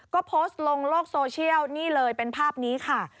ก็โพสต์ลงโลกโซเชียลนี่เลยเป็นภาพนี้ค่ะ